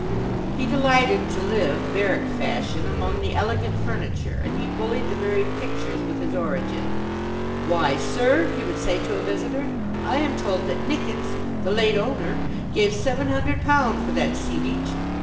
He delighted to live, barrack fashion, among the elegant furniture, and he bullied the very pictures with his origin. 'Why, sir,' he would say to a visitor, 'I am told that Nickits,' the late owner, 'gave seven hundred pound for that Seabeach.